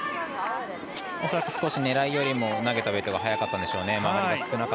恐らく、少し狙いよりも投げたウエートが速かったんでしょうね。